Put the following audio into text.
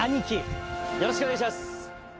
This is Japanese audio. よろしくお願いします。